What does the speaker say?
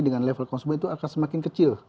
dengan level konsumen itu akan semakin kecil